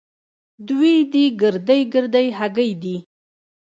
دوې دې ګردۍ ګردۍ هګۍ دي.